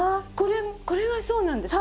これはそうなんですか？